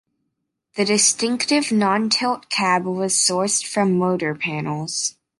The distinctive, non-tilt cab was sourced from Motor Panels.